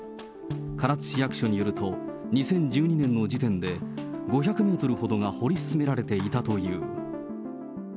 唐津市役所によると、２０１２年の時点で５００メートルほどが掘り進められていたという。